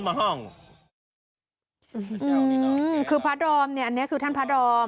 อืมคือพระดอมเนี่ยอันนี้คือท่านพระดอม